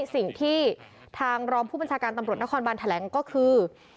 สิ่งที่ทางรองผู้บัญชาการตำรวจนครบานแถลงก็คือ